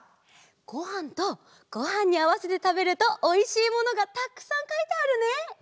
ごはんとごはんにあわせてたべるとおいしいものがたくさんかいてあるね！